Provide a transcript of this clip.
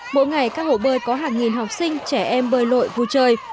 mỗi ngày các hồ bơi có hàng nghìn học sinh trẻ em bơi lội vui chơi